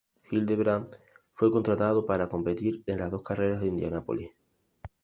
Hildebrand fue contratado para competir en las dos carreras de Indianápolis.